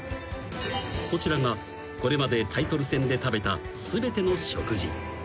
［こちらがこれまでタイトル戦で食べた全ての食事］